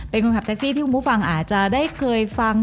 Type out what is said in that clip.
เป็นคนขับแท็กซี่ที่คุณผู้ฟังอาจจะได้เคยฟัง